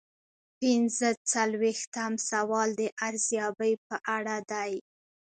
پنځه څلویښتم سوال د ارزیابۍ په اړه دی.